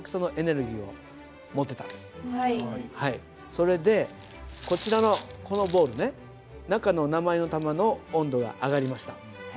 それでこちらのこのボールね中の鉛の玉の温度が上がりました。